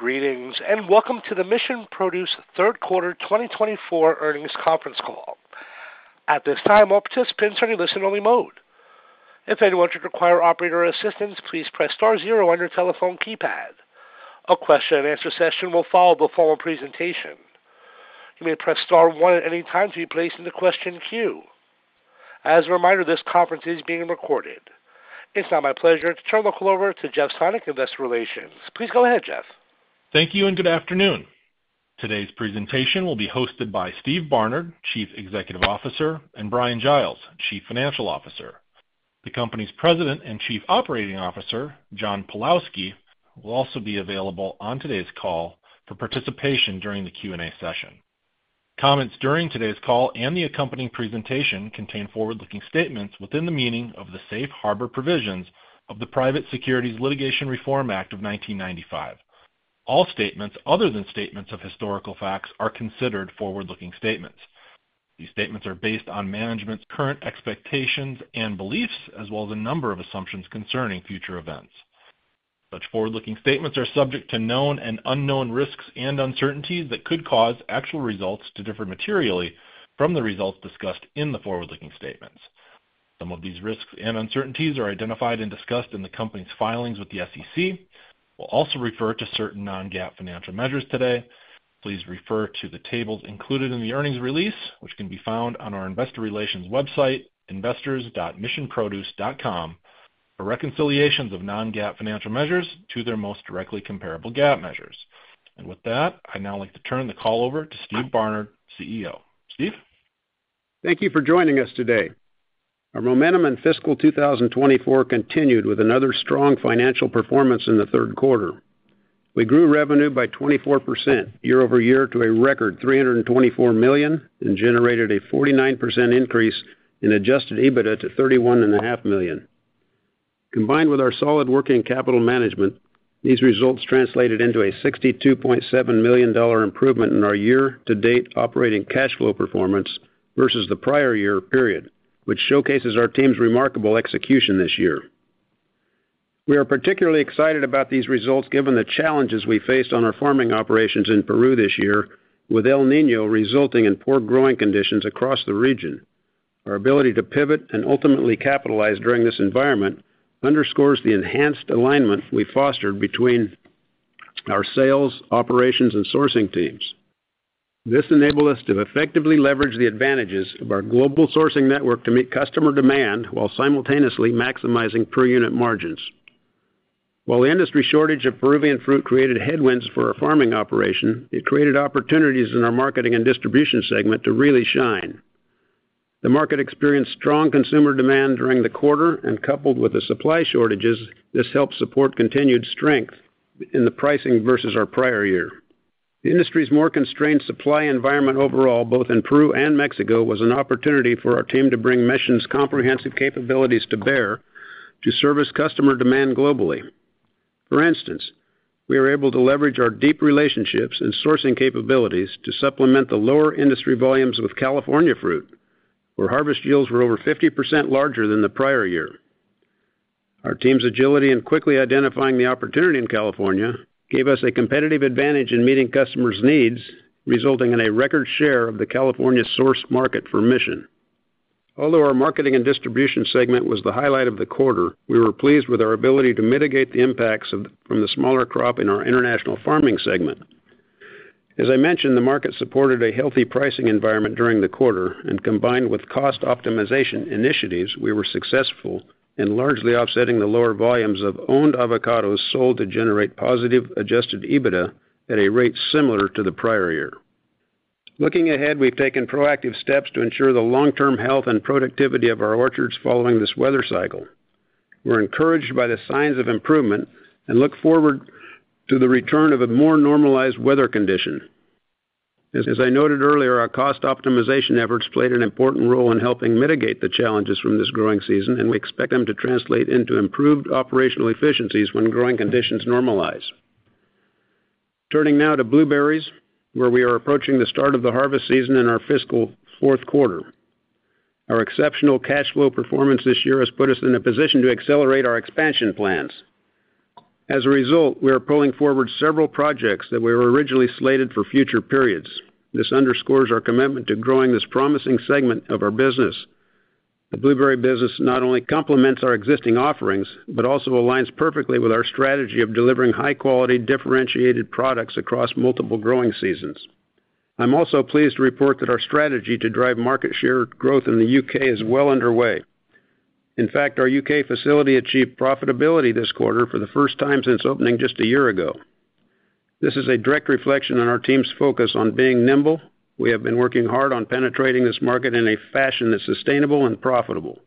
Greetings, and welcome to the Mission Produce Third Quarter 2024 Earnings Conference Call. At this time, all participants are in listen-only mode. If anyone should require operator assistance, please press star zero on your telephone keypad. A question-and-answer session will follow the formal presentation. You may press star one at any time to be placed in the question queue. As a reminder, this conference is being recorded. It's now my pleasure to turn the call over to Jeff Sonnek, Investor Relations. Please go ahead, Jeff. Thank you, and good afternoon. Today's presentation will be hosted by Steve Barnard, Chief Executive Officer, and Brian Giles, Chief Financial Officer. The company's President and Chief Operating Officer, John Pawlowski, will also be available on today's call for participation during the Q&A session. Comments during today's call and the accompanying presentation contain forward-looking statements within the meaning of the safe harbor provisions of the Private Securities Litigation Reform Act of 1995. All statements other than statements of historical facts are considered forward-looking statements. These statements are based on management's current expectations and beliefs, as well as a number of assumptions concerning future events. Such forward-looking statements are subject to known and unknown risks and uncertainties that could cause actual results to differ materially from the results discussed in the forward-looking statements. Some of these risks and uncertainties are identified and discussed in the company's filings with the SEC. We'll also refer to certain non-GAAP financial measures today. Please refer to the tables included in the earnings release, which can be found on our investor relations website, investors.missionproduce.com, for reconciliations of non-GAAP financial measures to their most directly comparable GAAP measures. And with that, I'd now like to turn the call over to Steve Barnard, CEO. Steve? Thank you for joining us today. Our momentum in fiscal 2024 continued with another strong financial performance in the third quarter. We grew revenue by 24% year over year to a record $324 million and generated a 49% increase in Adjusted EBITDA to $31.5 million. Combined with our solid working capital management, these results translated into a $62.7 million improvement in our year-to-date operating cash flow performance versus the prior year period, which showcases our team's remarkable execution this year. We are particularly excited about these results, given the challenges we faced on our farming operations in Peru this year, with El Niño resulting in poor growing conditions across the region. Our ability to pivot and ultimately capitalize during this environment underscores the enhanced alignment we fostered between our sales, operations, and sourcing teams. This enabled us to effectively leverage the advantages of our global sourcing network to meet customer demand while simultaneously maximizing per unit margins. While the industry shortage of Peruvian fruit created headwinds for our farming operation, it created opportunities in our marketing and distribution segment to really shine. The market experienced strong consumer demand during the quarter, and coupled with the supply shortages, this helped support continued strength in the pricing versus our prior year. The industry's more constrained supply environment overall, both in Peru and Mexico, was an opportunity for our team to bring Mission's comprehensive capabilities to bear to service customer demand globally. For instance, we were able to leverage our deep relationships and sourcing capabilities to supplement the lower industry volumes with California fruit, where harvest yields were over 50% larger than the prior year. Our team's agility in quickly identifying the opportunity in California gave us a competitive advantage in meeting customers' needs, resulting in a record share of the California source market for Mission. Although our marketing and distribution segment was the highlight of the quarter, we were pleased with our ability to mitigate the impacts from the smaller crop in our international farming segment. As I mentioned, the market supported a healthy pricing environment during the quarter, and combined with cost optimization initiatives, we were successful in largely offsetting the lower volumes of owned avocados sold to generate positive, Adjusted EBITDA at a rate similar to the prior year. Looking ahead, we've taken proactive steps to ensure the long-term health and productivity of our orchards following this weather cycle. We're encouraged by the signs of improvement and look forward to the return of a more normalized weather condition. As I noted earlier, our cost optimization efforts played an important role in helping mitigate the challenges from this growing season, and we expect them to translate into improved operational efficiencies when growing conditions normalize. Turning now to blueberries, where we are approaching the start of the harvest season in our fiscal fourth quarter. Our exceptional cash flow performance this year has put us in a position to accelerate our expansion plans. As a result, we are pulling forward several projects that were originally slated for future periods. This underscores our commitment to growing this promising segment of our business. The blueberry business not only complements our existing offerings, but also aligns perfectly with our strategy of delivering high-quality, differentiated products across multiple growing seasons. I'm also pleased to report that our strategy to drive market share growth in the U.K. is well underway. In fact, our U.K. facility achieved profitability this quarter for the first time since opening just a year ago. This is a direct reflection on our team's focus on being nimble. We have been working hard on penetrating this market in a fashion that's sustainable and profitable.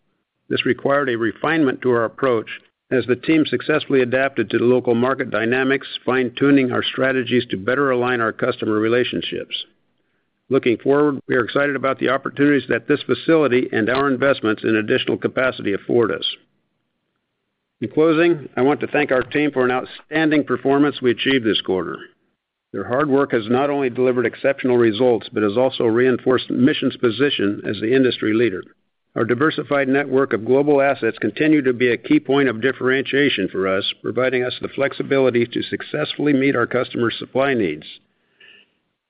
This required a refinement to our approach as the team successfully adapted to the local market dynamics, fine-tuning our strategies to better align our customer relationships. Looking forward, we are excited about the opportunities that this facility and our investments in additional capacity afford us. In closing, I want to thank our team for an outstanding performance we achieved this quarter. Their hard work has not only delivered exceptional results, but has also reinforced the Mission's position as the industry leader. Our diversified network of global assets continue to be a key point of differentiation for us, providing us the flexibility to successfully meet our customers' supply needs.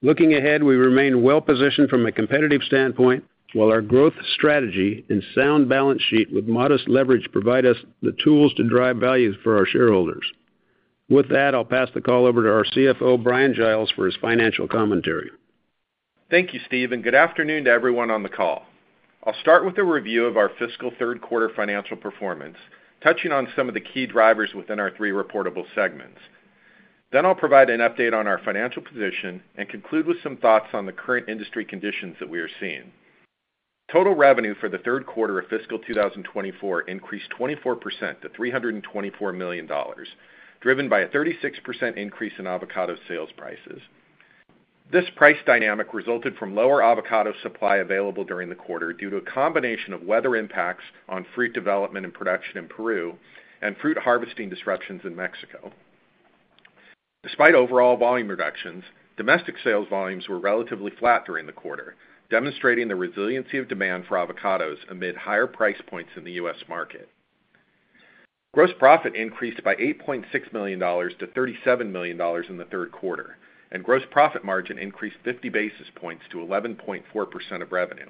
Looking ahead, we remain well-positioned from a competitive standpoint, while our growth strategy and sound balance sheet with modest leverage provide us the tools to drive value for our shareholders. With that, I'll pass the call over to our CFO, Bryan Giles, for his financial commentary. Thank you, Steve, and good afternoon to everyone on the call. I'll start with a review of our fiscal third quarter financial performance, touching on some of the key drivers within our three reportable segments. Then I'll provide an update on our financial position and conclude with some thoughts on the current industry conditions that we are seeing. Total revenue for the third quarter of fiscal 2024 increased 24% to $324 million, driven by a 36% increase in avocado sales prices. This price dynamic resulted from lower avocado supply available during the quarter due to a combination of weather impacts on fruit development and production in Peru and fruit harvesting disruptions in Mexico. Despite overall volume reductions, domestic sales volumes were relatively flat during the quarter, demonstrating the resiliency of demand for avocados amid higher price points in the U.S. market. Gross profit increased by $8.6 million to $37 million in the third quarter, and gross profit margin increased 50 basis points to 11.4% of revenue.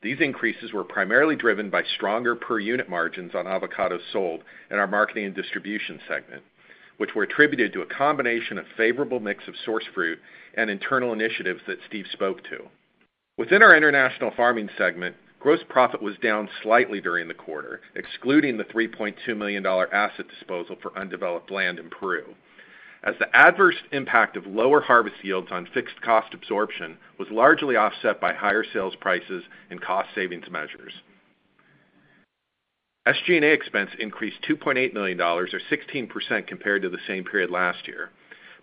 These increases were primarily driven by stronger per unit margins on avocados sold in our marketing and distribution segment, which were attributed to a combination of favorable mix of source fruit and internal initiatives that Steve spoke to. Within our international farming segment, gross profit was down slightly during the quarter, excluding the $3.2 million asset disposal for undeveloped land in Peru, as the adverse impact of lower harvest yields on fixed cost absorption was largely offset by higher sales prices and cost savings measures. SG&A expense increased $2.8 million, or 16% compared to the same period last year,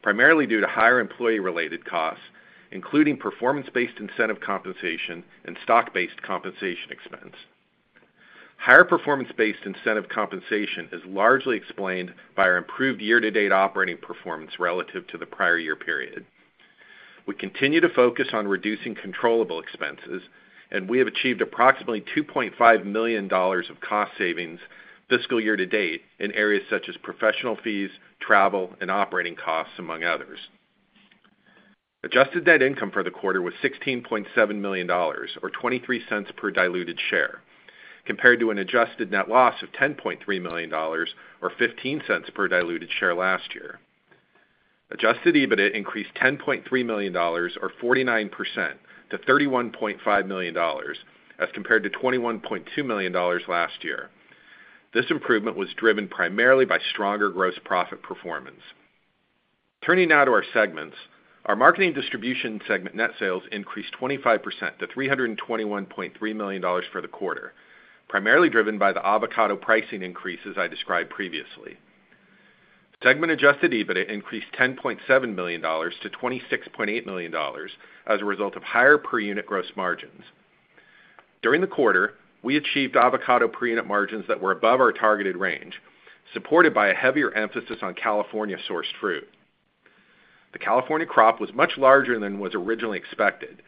primarily due to higher employee-related costs, including performance-based incentive compensation and stock-based compensation expense. Higher performance-based incentive compensation is largely explained by our improved year-to-date operating performance relative to the prior year period. We continue to focus on reducing controllable expenses, and we have achieved approximately $2.5 million of cost savings fiscal year to date in areas such as professional fees, travel, and operating costs, among others. Adjusted net income for the quarter was $16.7 million, or $0.23 per diluted share, compared to an adjusted net loss of $10.3 million or $0.15 per diluted share last year. Adjusted EBITDA increased $10.3 million or 49% to $31.5 million, as compared to $21.2 million last year. This improvement was driven primarily by stronger gross profit performance. Turning now to our segments. Our marketing distribution segment net sales increased 25% to $321.3 million for the quarter, primarily driven by the avocado pricing increases I described previously. Segment adjusted EBITDA increased $10.7 million to $26.8 million as a result of higher per unit gross margins. During the quarter, we achieved avocado per unit margins that were above our targeted range, supported by a heavier emphasis on California-sourced fruit. The California crop was much larger than was originally expected,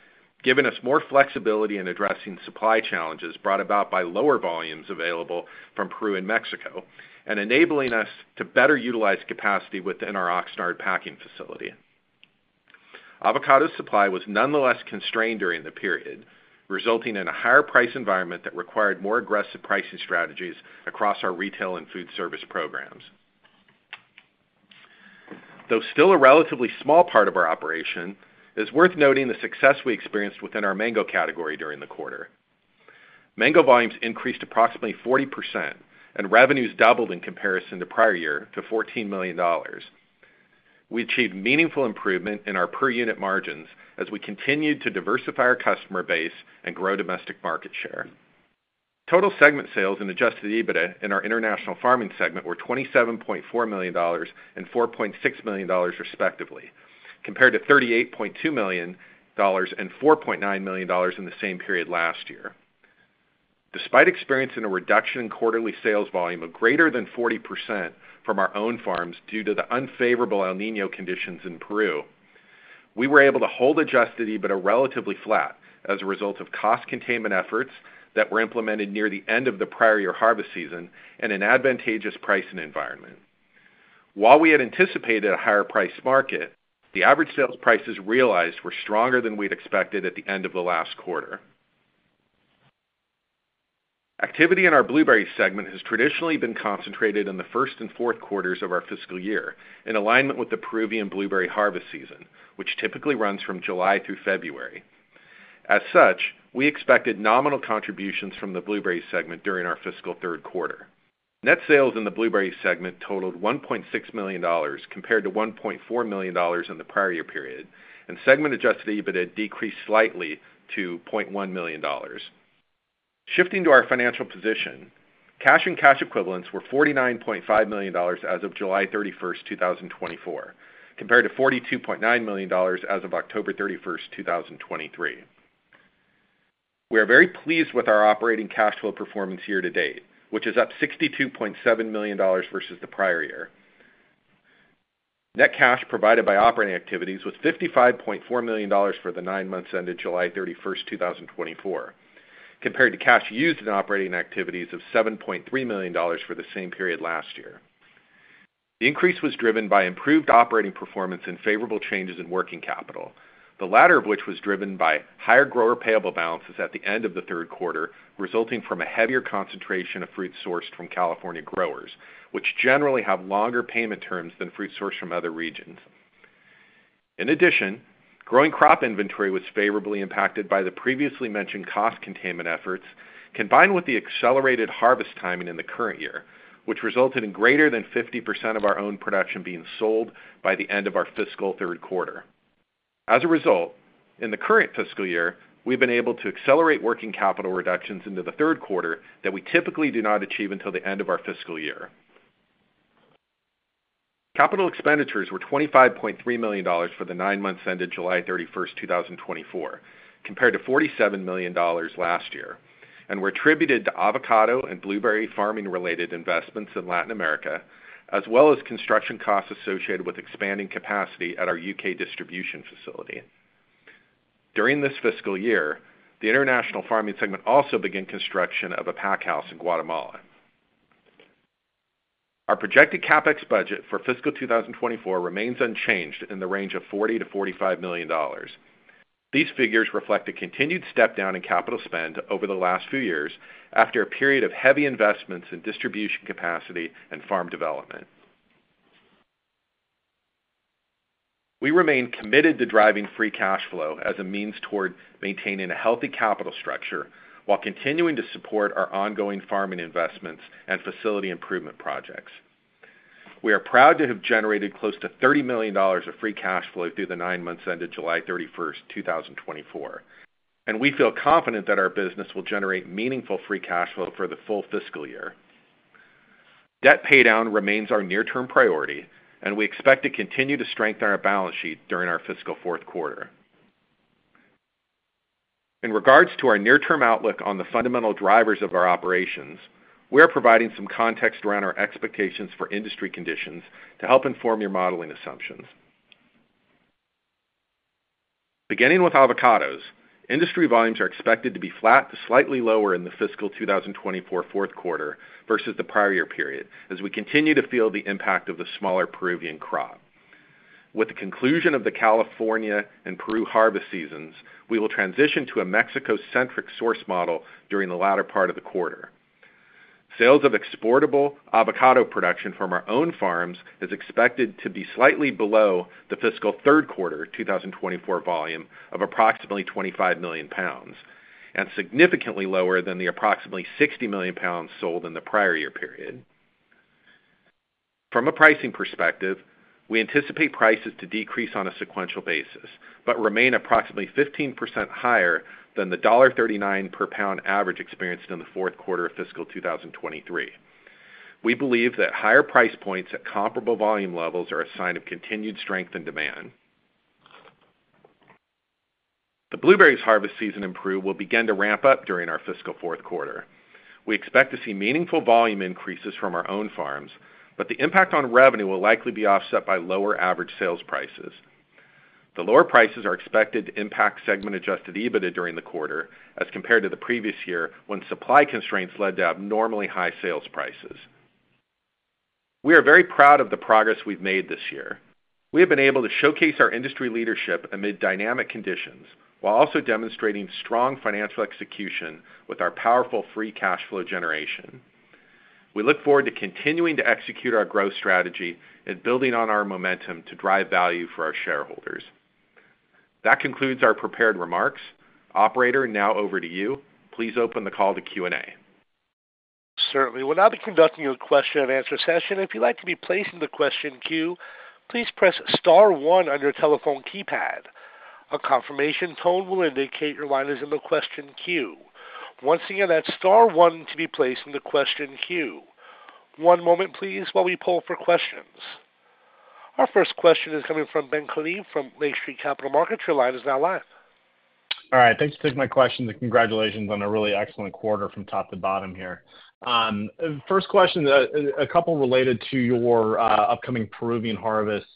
giving us more flexibility in addressing supply challenges brought about by lower volumes available from Peru and Mexico, and enabling us to better utilize capacity within our Oxnard packing facility. Avocado supply was nonetheless constrained during the period, resulting in a higher price environment that required more aggressive pricing strategies across our retail and food service programs. Though still a relatively small part of our operation, it's worth noting the success we experienced within our mango category during the quarter. Mango volumes increased approximately 40%, and revenues doubled in comparison to prior year to $14 million. We achieved meaningful improvement in our per unit margins as we continued to diversify our customer base and grow domestic market share. Total segment sales and Adjusted EBITDA in our international farming segment were $27.4 million and $4.6 million, respectively, compared to $38.2 million and $4.9 million in the same period last year. Despite experiencing a reduction in quarterly sales volume of greater than 40% from our own farms due to the unfavorable El Niño conditions in Peru, we were able to hold Adjusted EBITDA relatively flat as a result of cost containment efforts that were implemented near the end of the prior year harvest season and an advantageous pricing environment. While we had anticipated a higher price market, the average sales prices realized were stronger than we'd expected at the end of the last quarter. Activity in our blueberry segment has traditionally been concentrated in the first and fourth quarters of our fiscal year, in alignment with the Peruvian blueberry harvest season, which typically runs from July through February. As such, we expected nominal contributions from the blueberry segment during our fiscal third quarter. Net sales in the blueberry segment totaled $1.6 million, compared to $1.4 million in the prior year period, and segment adjusted EBITDA decreased slightly to $0.1 million. Shifting to our financial position, cash and cash equivalents were $49.5 million as of July 31st, 2024, compared to $42.9 million as of October 31st, 2023. We are very pleased with our operating cash flow performance year to date, which is up $62.7 million versus the prior year. Net cash provided by operating activities was $55.4 million for the nine months ended July 31st, 2024, compared to cash used in operating activities of $7.3 million for the same period last year. The increase was driven by improved operating performance and favorable changes in working capital, the latter of which was driven by higher grower payable balances at the end of the third quarter, resulting from a heavier concentration of fruit sourced from California growers, which generally have longer payment terms than fruit sourced from other regions. In addition, growing crop inventory was favorably impacted by the previously mentioned cost containment efforts, combined with the accelerated harvest timing in the current year, which resulted in greater than 50% of our own production being sold by the end of our fiscal third quarter. As a result, in the current fiscal year, we've been able to accelerate working capital reductions into the third quarter that we typically do not achieve until the end of our fiscal year. Capital expenditures were $25.3 million for the nine months ended July 31st, 2024, compared to $47 million last year, and were attributed to avocado and blueberry farming-related investments in Latin America, as well as construction costs associated with expanding capacity at our U.K. distribution facility. During this fiscal year, the international farming segment also began construction of a pack house in Guatemala. Our projected CapEx budget for fiscal 2024 remains unchanged in the range of $40 million-$45 million. These figures reflect a continued step down in capital spend over the last few years, after a period of heavy investments in distribution capacity and farm development. We remain committed to driving free cash flow as a means toward maintaining a healthy capital structure while continuing to support our ongoing farming investments and facility improvement projects. We are proud to have generated close to $30 million of free cash flow through the nine months ended July 31st, 2024, and we feel confident that our business will generate meaningful free cash flow for the full fiscal year. Debt paydown remains our near-term priority, and we expect to continue to strengthen our balance sheet during our fiscal fourth quarter. In regards to our near-term outlook on the fundamental drivers of our operations, we are providing some context around our expectations for industry conditions to help inform your modeling assumptions. Beginning with avocados, industry volumes are expected to be flat to slightly lower in the fiscal 2024 fourth quarter versus the prior year period, as we continue to feel the impact of the smaller Peruvian crop. With the conclusion of the California and Peru harvest seasons, we will transition to a Mexico-centric source model during the latter part of the quarter. Sales of exportable avocado production from our own farms is expected to be slightly below the fiscal third quarter 2024 volume of approximately 25 million pounds, and significantly lower than the approximately 60 million pounds sold in the prior year period. From a pricing perspective, we anticipate prices to decrease on a sequential basis, but remain approximately 15% higher than the $1.39 per pound average experienced in the fourth quarter of fiscal 2023. We believe that higher price points at comparable volume levels are a sign of continued strength and demand. The blueberries harvest season in Peru will begin to ramp up during our fiscal fourth quarter. We expect to see meaningful volume increases from our own farms, but the impact on revenue will likely be offset by lower average sales prices. The lower prices are expected to impact segment Adjusted EBITDA during the quarter as compared to the previous year, when supply constraints led to abnormally high sales prices. We are very proud of the progress we've made this year. We have been able to showcase our industry leadership amid dynamic conditions, while also demonstrating strong financial execution with our powerful Free Cash Flow generation. We look forward to continuing to execute our growth strategy and building on our momentum to drive value for our shareholders. That concludes our prepared remarks. Operator, now over to you. Please open the call to Q&A. Certainly. We'll now be conducting a question-and-answer session. If you'd like to be placed in the question queue, please press star one on your telephone keypad. A confirmation tone will indicate your line is in the question queue. Once again, that's star one to be placed in the question queue. One moment, please, while we pull for questions. Our first question is coming from Ben Klieve from Lake Street Capital Markets. Your line is now live. All right, thanks for taking my question, and congratulations on a really excellent quarter from top to bottom here. First question, a couple related to your upcoming Peruvian harvest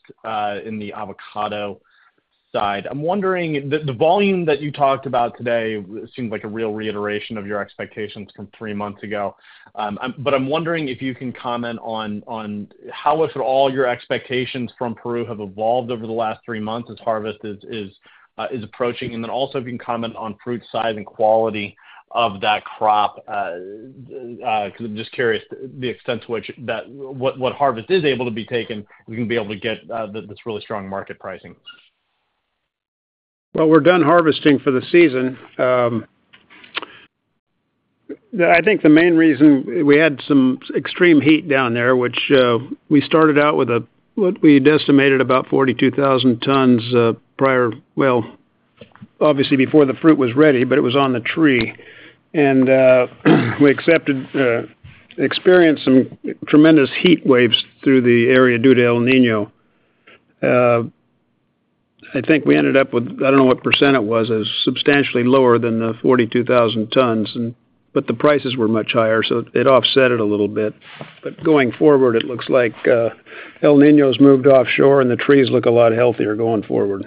in the avocado side. I'm wondering. The volume that you talked about today seems like a real reiteration of your expectations from three months ago. But I'm wondering if you can comment on how if at all your expectations from Peru have evolved over the last three months as harvest is approaching. And then also, if you can comment on fruit size and quality of that crop, because I'm just curious the extent to which that harvest is able to be taken, we can be able to get this really strong market pricing. We're done harvesting for the season. I think the main reason we had some extreme heat down there, which we started out with what we'd estimated about 42,000 tons prior. Obviously before the fruit was ready, but it was on the tree. We experienced some tremendous heat waves through the area due to El Niño. I think we ended up with, I don't know what % it was, as substantially lower than the 42,000 tons, and, but the prices were much higher, so it offset it a little bit. But going forward, it looks like, El Niño's moved offshore, and the trees look a lot healthier going forward.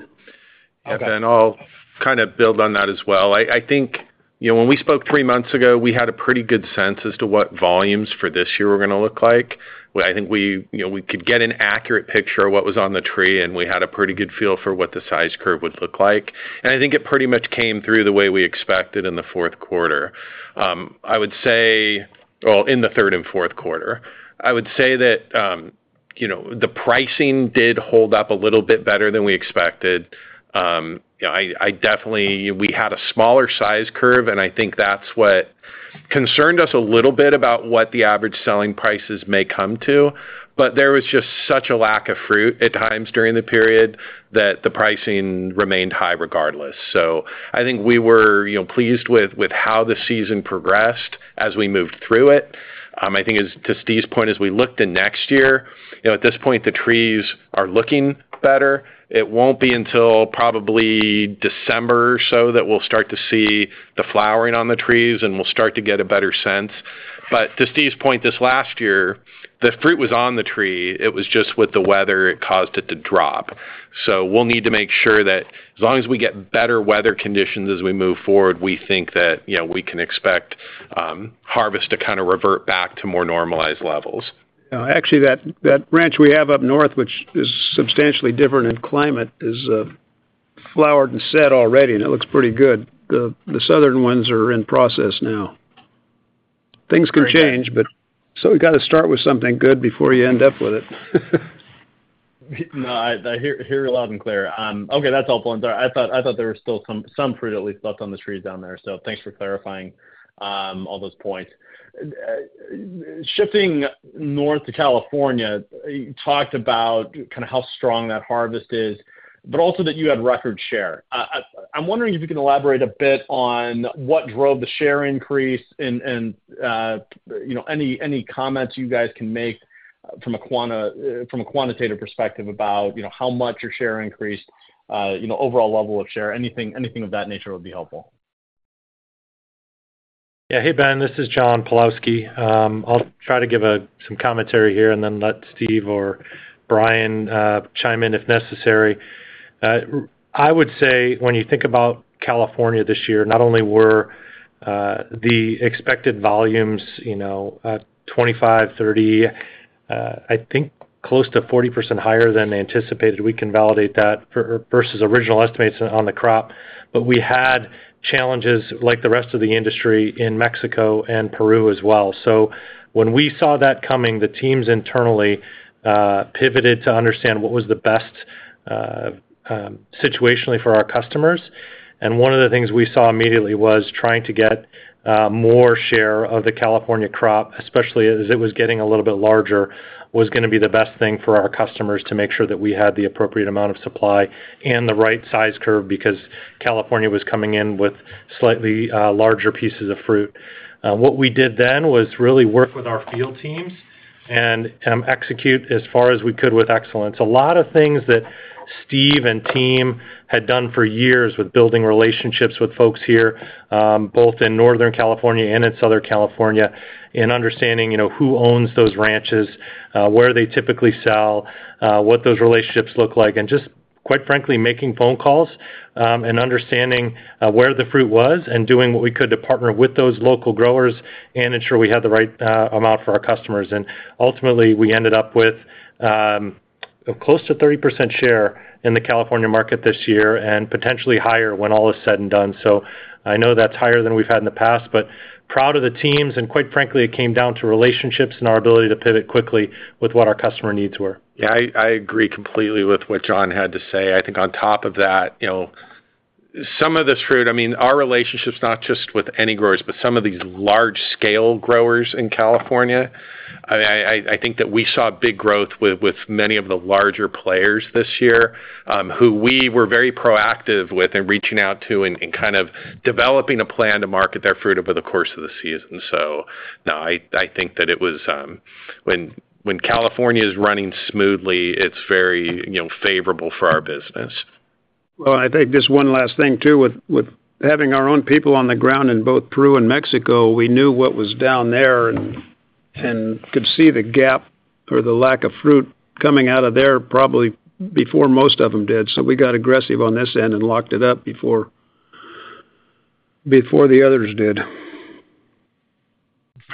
Then I'll kind of build on that as well. I, I think, you know, when we spoke three months ago, we had a pretty good sense as to what volumes for this year were gonna look like. Well, I think we, you know, we could get an accurate picture of what was on the tree, and we had a pretty good feel for what the size curve would look like. I think it pretty much came through the way we expected in the fourth quarter. Well, in the third and fourth quarter, I would say that, you know, the pricing did hold up a little bit better than we expected. You know, we had a smaller size curve, and I think that's what concerned us a little bit about what the average selling prices may come to. But there was just such a lack of fruit at times during the period that the pricing remained high regardless. So I think we were, you know, pleased with how the season progressed as we moved through it. I think as, to Steve's point, as we look to next year, you know, at this point, the trees are looking better. It won't be until probably December or so that we'll start to see the flowering on the trees, and we'll start to get a better sense. But to Steve's point, this last year, the fruit was on the tree. It was just with the weather, it caused it to drop. So we'll need to make sure that as long as we get better weather conditions as we move forward, we think that, you know, we can expect harvest to kind of revert back to more normalized levels. Actually, that ranch we have up north, which is substantially different in climate, is flowered and set already, and it looks pretty good. The southern ones are in process now. Things can change, but so we've got to start with something good before you end up with it. No, I hear you loud and clear. Okay, that's helpful. And so I thought I thought there were still some fruit at least left on the trees down there. So thanks for clarifying all those points. Shifting north to California, you talked about kind of how strong that harvest is, but also that you had record share. I'm wondering if you can elaborate a bit on what drove the share increase and, you know, any comments you guys can make from a quantitative perspective about, you know, how much your share increased, you know, overall level of share? Anything of that nature would be helpful. Yeah. Hey, Ben, this is John Pawlowski. I'll try to give some commentary here and then let Steve or Brian chime in, if necessary. I would say when you think about California this year, not only were the expected volumes, you know, 25%, 30%, I think close to 40% higher than anticipated, we can validate that versus original estimates on the crop, but we had challenges like the rest of the industry in Mexico and Peru as well. So when we saw that coming, the teams internally pivoted to understand what was the best situationally for our customers. And one of the things we saw immediately was trying to get more share of the California crop, especially as it was getting a little bit larger, was gonna be the best thing for our customers to make sure that we had the appropriate amount of supply and the right size curve, because California was coming in with slightly larger pieces of fruit. What we did then was really work with our field teams and execute as far as we could with excellence. A lot of things that Steve and team had done for years with building relationships with folks here, both in Northern California and in Southern California, and understanding, you know, who owns those ranches, where they typically sell, what those relationships look like, and just quite frankly, making phone calls, and understanding, where the fruit was and doing what we could to partner with those local growers and ensure we had the right, amount for our customers. And ultimately, we ended up with, close to 30% share in the California market this year and potentially higher when all is said and done. So I know that's higher than we've had in the past, but proud of the teams, and quite frankly, it came down to relationships and our ability to pivot quickly with what our customer needs were. Yeah, I agree completely with what John had to say. I think on top of that, you know, some of this fruit, I mean, our relationships, not just with any growers, but some of these large-scale growers in California, I think that we saw big growth with many of the larger players this year, who we were very proactive with in reaching out to and kind of developing a plan to market their fruit over the course of the season. So, no, I think that it was. When California is running smoothly, it's very, you know, favorable for our business. I think just one last thing, too, with having our own people on the ground in both Peru and Mexico, we knew what was down there and could see the gap or the lack of fruit coming out of there probably before most of them did. We got aggressive on this end and locked it up before the others did.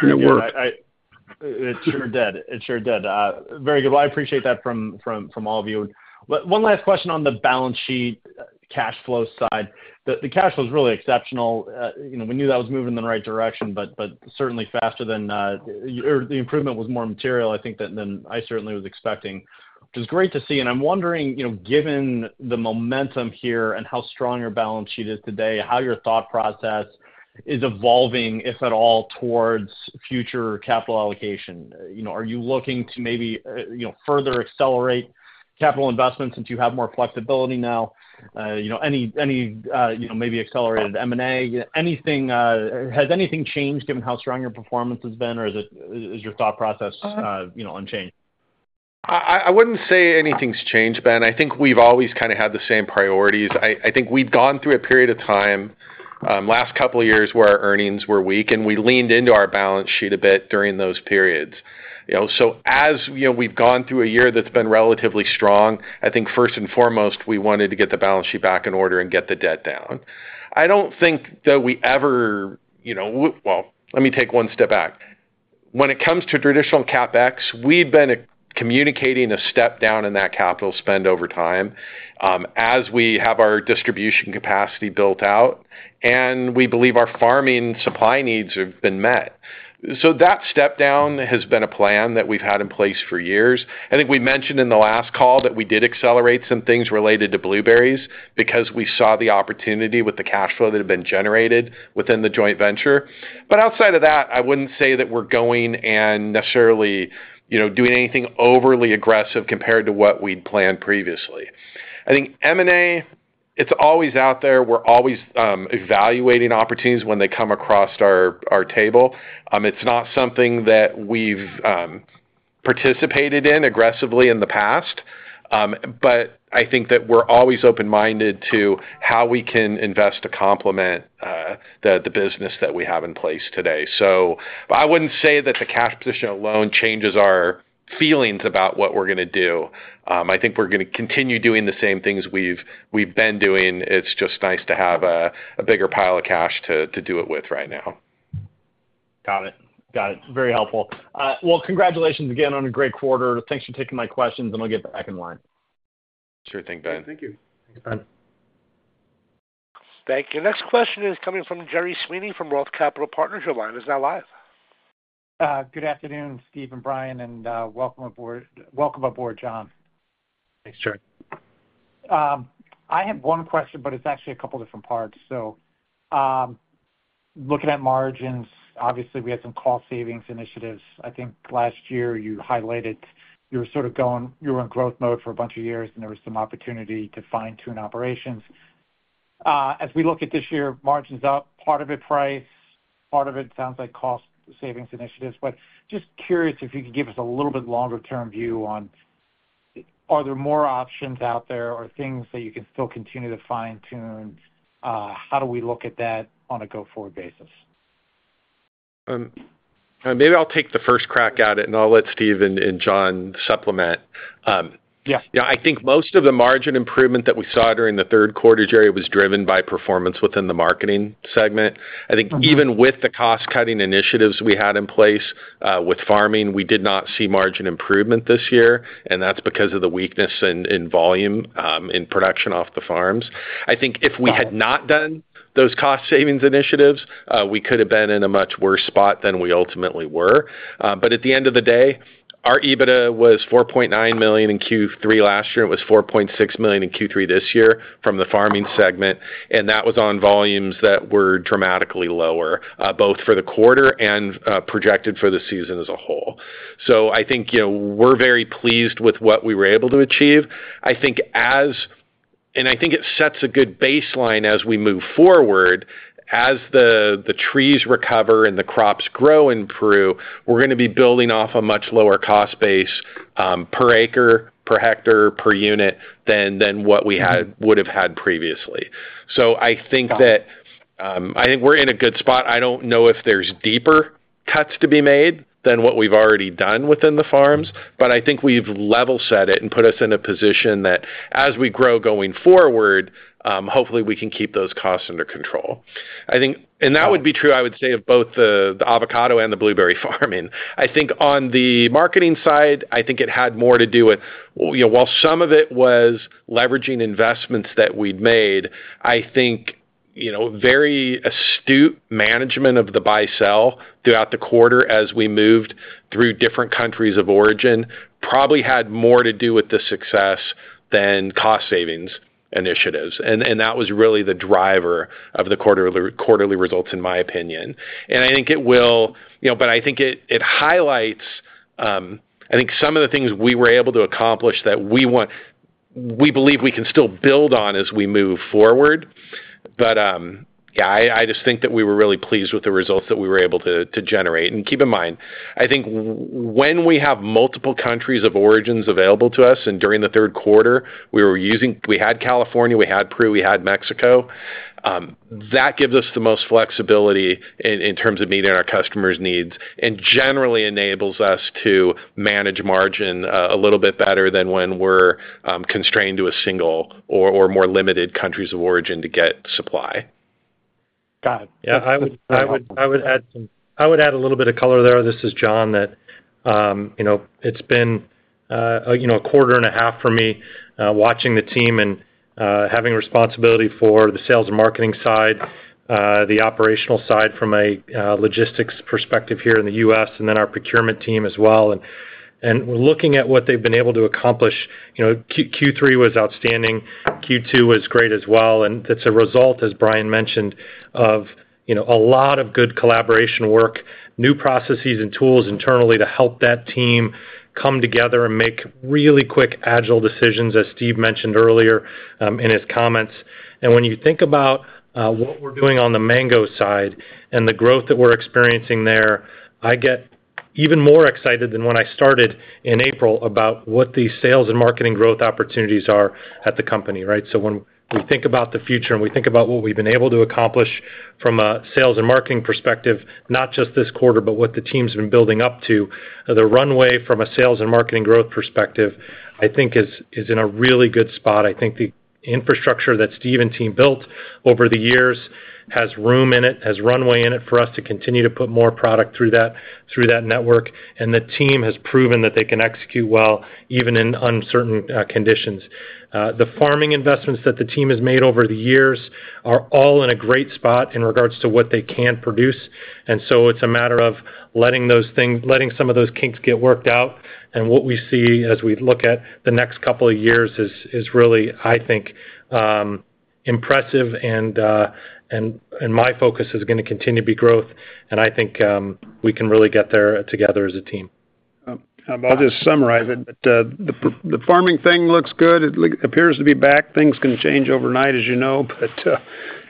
It worked. It sure did. It sure did. Very good. Well, I appreciate that from all of you. But one last question on the balance sheet, cash flow side. The cash flow is really exceptional. You know, we knew that was moving in the right direction, but certainly faster than or the improvement was more material, I think, than I certainly was expecting, which is great to see. And I'm wondering, you know, given the momentum here and how strong your balance sheet is today, how your thought process is evolving, if at all, towards future capital allocation? You know, are you looking to maybe, you know, further accelerate capital investments since you have more flexibility now? You know, any maybe accelerated M&A, anything, has anything changed given how strong your performance has been, or is it your thought process, you know, unchanged? I wouldn't say anything's changed, Ben. I think we've always kind of had the same priorities. I think we've gone through a period of time, last couple of years, where our earnings were weak, and we leaned into our balance sheet a bit during those periods. You know, so as, you know, we've gone through a year that's been relatively strong, I think first and foremost, we wanted to get the balance sheet back in order and get the debt down. I don't think that we ever, you know, well, let me take one step back. When it comes to traditional CapEx, we've been communicating a step down in that capital spend over time, as we have our distribution capacity built out, and we believe our farming supply needs have been met. So that step down has been a plan that we've had in place for years. I think we mentioned in the last call that we did accelerate some things related to blueberries because we saw the opportunity with the cash flow that had been generated within the joint venture. But outside of that, I wouldn't say that we're going and necessarily, you know, doing anything overly aggressive compared to what we'd planned previously. I think M&A, it's always out there. We're always evaluating opportunities when they come across our table. It's not something that we've participated in aggressively in the past, but I think that we're always open-minded to how we can invest to complement the business that we have in place today. So, but I wouldn't say that the cash position alone changes our feelings about what we're gonna do. I think we're gonna continue doing the same things we've been doing. It's just nice to have a bigger pile of cash to do it with right now. Got it. Got it. Very helpful. Well, congratulations again on a great quarter. Thanks for taking my questions, and I'll get back in line. Sure thing, Ben. Thank you. Thanks, Ben. Thank you. Next question is coming from Gerry Sweeney from Roth Capital Partners. Your line is now live. Good afternoon, Steve and Brian, and welcome aboard, John. Thanks, Jerry. I have one question, but it's actually a couple different parts. So, looking at margins, obviously, we had some cost savings initiatives. I think last year you highlighted you were in growth mode for a bunch of years, and there was some opportunity to fine-tune operations. As we look at this year, margin's up, part of it price, part of it sounds like cost savings initiatives. But just curious, if you could give us a little bit longer term view on, are there more options out there or things that you can still continue to fine-tune? How do we look at that on a go-forward basis? Maybe I'll take the first crack at it, and I'll let Steve and John supplement. Yes. Yeah, I think most of the margin improvement that we saw during the third quarter, Jerry, was driven by performance within the marketing segment. Mm-hmm. I think even with the cost-cutting initiatives we had in place with farming, we did not see margin improvement this year, and that's because of the weakness in volume in production off the farms. I think if we had not done those cost savings initiatives, we could have been in a much worse spot than we ultimately were. But at the end of the day, our EBITDA was $4.9 million in Q3 last year. It was $4.6 million in Q3 this year from the farming segment, and that was on volumes that were dramatically lower both for the quarter and projected for the season as a whole. So I think, you know, we're very pleased with what we were able to achieve, and I think it sets a good baseline as we move forward. As the trees recover and the crops grow and improve, we're gonna be building off a much lower cost base, per acre, per hectare, per unit than what we had. Mm-hmm Would have had previously. So I think that, I think we're in a good spot. I don't know if there's deeper cuts to be made than what we've already done within the farms, but I think we've level set it and put us in a position that as we grow going forward, hopefully, we can keep those costs under control. I think... And that would be true, I would say, of both the avocado and the blueberry farming. I think on the marketing side, I think it had more to do with, you know, while some of it was leveraging investments that we'd made, I think, you know, very astute management of the buy, sell throughout the quarter as we moved through different countries of origin, probably had more to do with the success than cost savings initiatives. That was really the driver of the quarterly results, in my opinion. I think it will. You know, but I think it highlights some of the things we were able to accomplish that we believe we can still build on as we move forward. But yeah, I just think that we were really pleased with the results that we were able to generate. Keep in mind, I think when we have multiple countries of origins available to us, and during the third quarter, we had California, we had Peru, we had Mexico. That gives us the most flexibility in terms of meeting our customers' needs, and generally enables us to manage margin a little bit better than when we're constrained to a single or more limited countries of origin to get supply. Got it. Yeah, I would add a little bit of color there. This is John. You know, it's been a quarter and a half for me watching the team and having responsibility for the sales and marketing side, the operational side from a logistics perspective here in the U.S., and then our procurement team as well. And looking at what they've been able to accomplish, you know, Q3 was outstanding, Q2 was great as well, and that's a result, as Brian mentioned, of a lot of good collaboration work, new processes and tools internally to help that team come together and make really quick, agile decisions, as Steve mentioned earlier, in his comments. And when you think about what we're doing on the mango side and the growth that we're experiencing there, I get even more excited than when I started in April, about what the sales and marketing growth opportunities are at the company, right? So when we think about the future, and we think about what we've been able to accomplish from a sales and marketing perspective, not just this quarter, but what the team's been building up to, the runway from a sales and marketing growth perspective, I think is in a really good spot. I think the infrastructure that Steve and team built over the years has room in it, has runway in it for us to continue to put more product through that, through that network, and the team has proven that they can execute well, even in uncertain conditions. The farming investments that the team has made over the years are all in a great spot in regards to what they can produce, and so it's a matter of letting some of those kinks get worked out. And what we see as we look at the next couple of years is really, I think, impressive, and my focus is gonna continue to be growth, and I think we can really get there together as a team. I'll just summarize it, but the farming thing looks good. It appears to be back. Things can change overnight, as you know, but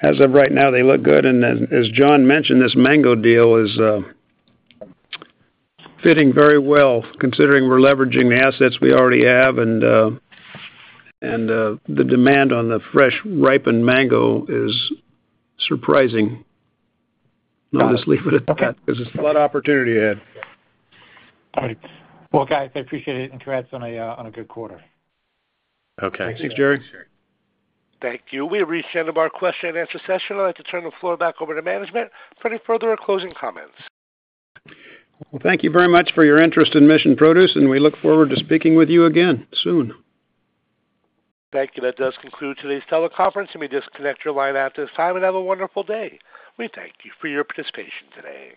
as of right now, they look good. And then, as John mentioned, this mango deal is fitting very well, considering we're leveraging the assets we already have, and the demand on the fresh, ripened mango is surprising. I'll just leave it at that because it's a lot of opportunity ahead. All right, well, guys, I appreciate it, and congrats on a good quarter. Okay. Thanks, Jerry. Thank you. We've reached the end of our question-and-answer session. I'd like to turn the floor back over to management for any further closing comments. Thank you very much for your interest in Mission Produce, and we look forward to speaking with you again soon. Thank you. That does conclude today's teleconference. You may disconnect your line at this time, and have a wonderful day. We thank you for your participation today.